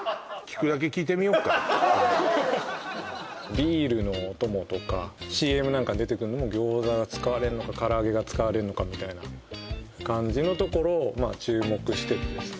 ビールのお供とかＣＭなんかに出てくるのも餃子が使われるのかからあげが使われるのかみたいな感じのところをまあ注目してですね